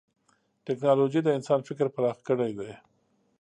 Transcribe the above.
ټکنالوجي د انسان فکر پراخ کړی دی.